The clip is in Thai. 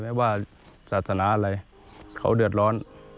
ไม่ว่าศาสนาอะไรเขาเดือดร้อน